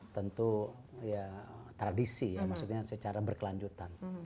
tentu ya tradisi ya maksudnya secara berkelanjutan